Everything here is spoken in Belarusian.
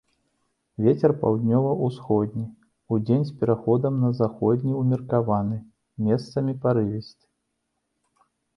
Вецер паўднёва-ўсходні, удзень з пераходам на заходні ўмеркаваны, месцамі парывісты.